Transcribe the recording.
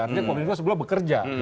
artinya kominfo sebelah bekerja